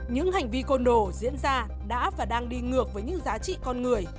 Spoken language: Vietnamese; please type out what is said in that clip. những hành vi côn đồ diễn ra đã và đang đi ngược với những giá trị con người